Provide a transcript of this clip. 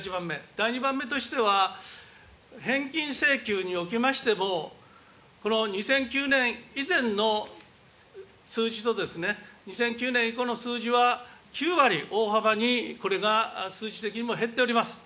第２番目としては、返金請求におきましても、この２００９年以前の数字と２００９年以降の数字は、９割、大幅にこれが数字的にも減っております。